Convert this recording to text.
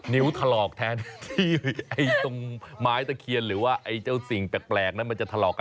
ถลอกแทนที่ตรงไม้ตะเคียนหรือว่าไอ้เจ้าสิ่งแปลกนั้นมันจะถลอกกัน